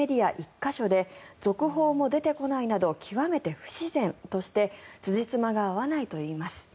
か所で続報も出てこないなど極めて不自然としてつじつまが合わないといいます。